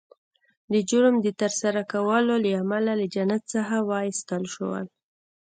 د جرم د ترسره کولو له امله له جنت څخه وایستل شول